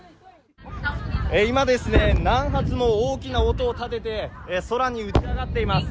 今、何発も大きな音を立てて、空に打ち上がっています。